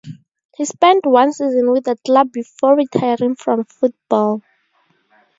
He spent one season with the club before retiring from football.